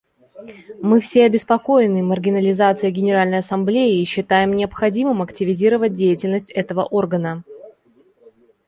Мы все обеспокоены маргинализацией Генеральной Ассамблеи и считаем необходимым активизировать деятельность этого органа.